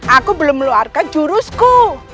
aku belum meluarkan jurusku